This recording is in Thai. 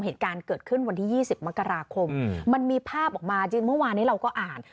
เหตุการณ์เกิดขึ้นวันที่๒๐มกราคมมันมีภาพออกมาจริงเมื่อวานนี้เราก็อ่าน